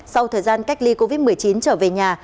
sau thời gian cách ly covid một mươi chín trở về nhà